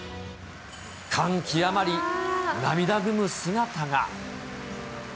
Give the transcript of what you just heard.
感極まり、涙ぐむ姿が。